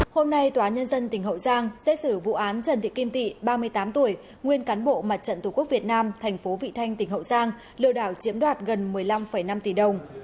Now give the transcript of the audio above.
hôm nay tòa nhân dân tỉnh hậu giang xét xử vụ án trần thị kim tị ba mươi tám tuổi nguyên cán bộ mặt trận tổ quốc việt nam thành phố vị thanh tỉnh hậu giang lừa đảo chiếm đoạt gần một mươi năm năm tỷ đồng